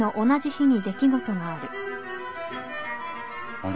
あれ？